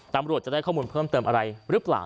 ตำรวจจะได้ข้อมูลเพิ่มเติมอะไรหรือเปล่า